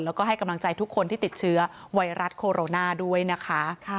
แล้วก็ให้กำลังใจทุกคนที่ติดเชื้อไวรัสโคโรนาด้วยนะคะ